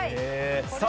さあ